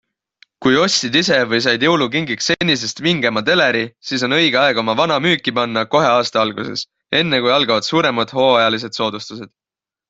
Kui ostsid ise või said jõulukingiks senisest vingema teleri, siis on õige aeg oma vana müüki panna kohe aasta alguses, enne kui algavad suuremad hooajalised soodustused.